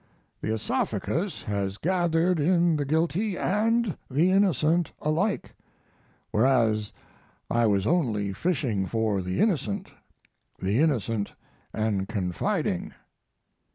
The oesophagus has gathered in the guilty and the innocent alike, whereas I was only fishing for the innocent the innocent and confiding.